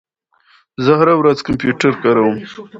زه هره ورځ کمپیوټر کاروم.